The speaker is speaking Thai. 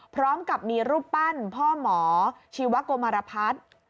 พร้อมกับมีรูปปั้นพ่อหมอชีวกลมรพัฒน์